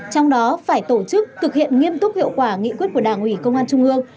trong đó phải tổ chức thực hiện nghiêm túc hiệu quả nghị quyết của đảng ủy công an trung ương